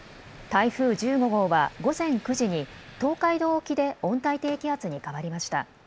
台風１５号は午前９時に東海道沖で温帯低気圧に変わりました。